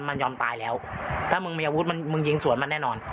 มันยอมตายแล้วถ้ามึงมีอาวุธมันมึงยิงสวนมันแน่นอน